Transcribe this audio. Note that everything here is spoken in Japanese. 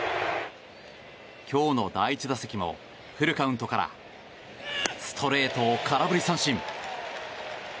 今日の第１打席もフルカウントからストレートを空振り三振。